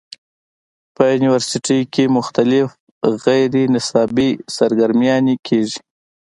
پۀ يونيورسټۍ کښې مختلف غېر نصابي سرګرميانې کيږي